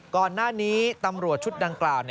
ก่อนหน้านี้ตำรวจชุดดังกล่าว